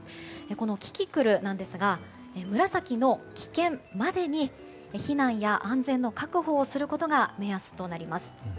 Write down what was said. キキクルなんですが紫の危険までに避難や安全の確保をすることが目安となります。